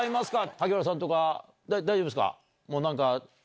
萩原さんとか大丈夫ですか？